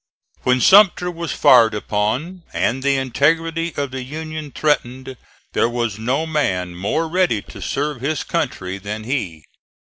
When Sumter was fired upon and the integrity of the Union threatened, there was no man more ready to serve his country than he.